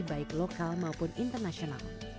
baik lokal maupun internasional